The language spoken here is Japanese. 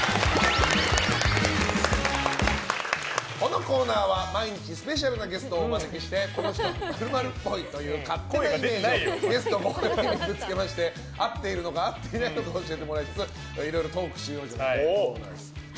このコーナーは毎日スペシャルなゲストをお招きしてこの人、○○っぽいという勝手なイメージをゲストご本人にぶつけまして合っているのか合っていないのか教えてもらいつつ一緒にトークするコーナーです。